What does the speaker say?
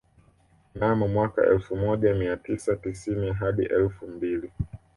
Mnamo mwaka elfu moja mia tisa tisini hadi elfu mbili